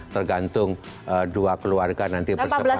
tergantung dua keluarga nanti bersama